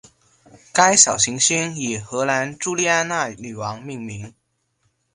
该小行星以荷兰朱丽安娜女王命名。